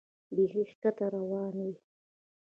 بیخي ښکته روان وې.